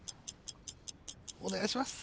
お願いします。